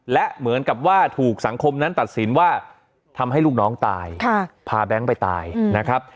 และเหมือนกับว่าถูกสังคมนั้นตัดสินว่าทำให้ลูกน้องตายพาแบงค์ไปตายนะครับ